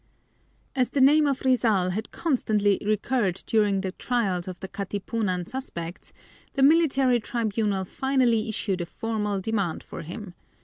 As the name of Rizal had constantly recurred during the trials of the Katipunan suspects, the military tribunal finally issued a formal demand for him.